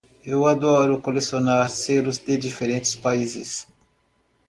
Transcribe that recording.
Eu adoro colecionar selos de diferentes países.